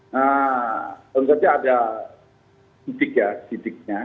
nah tentunya ada titik ya titiknya